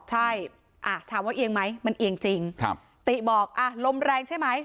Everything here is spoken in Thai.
ใช่ถามว่าเอียงไหมมันเอียงจริงครับติบอกอ่ะลมแรงใช่ไหม